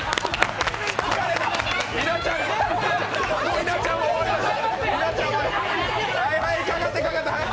稲ちゃん、もう終わりました。